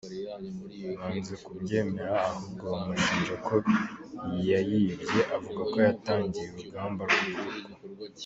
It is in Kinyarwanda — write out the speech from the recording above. banze kubyemera ahubwo bamushinja ko yayibye, avuga ko yatangiye urugamba rwo